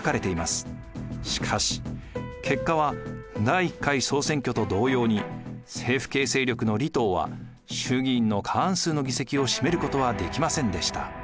しかし結果は第１回総選挙と同様に政府系勢力の吏党は衆議院の過半数の議席を占めることはできませんでした。